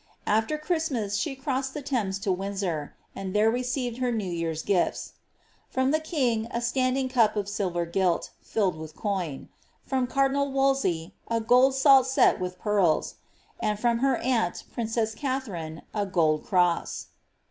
AAer Christmas, she crossed the Thames to Windsor, and there received her New year's gifts :— from the king, a standing cup of silver giiu filled with coin ; from cardinal Wolsey, a gold salt set with pearls ; and from her aunt, princess Katharine, a gold cross.